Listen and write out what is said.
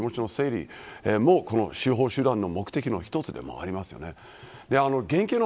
し気持ちの整理も司法手段の目的の一つでもありますよね。